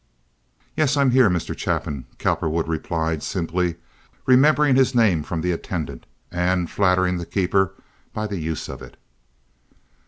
"Yes, I'm here, Mr. Chapin," Cowperwood replied, simply, remembering his name from the attendant, and flattering the keeper by the use of it.